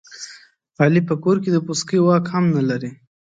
علي په کور کې د پسکې واک هم نه لري.